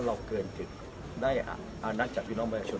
เราเกินถึงได้อานักจากพี่น้องประชาชน